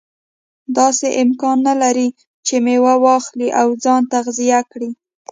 داسې امکان نه لري چې میوه واخلي او ځان تغذیه کړي.